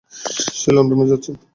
সে লন্ডনে যাচ্ছেন।